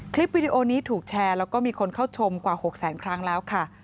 วิดีโอนี้ถูกแชร์แล้วก็มีคนเข้าชมกว่า๖แสนครั้งแล้วค่ะ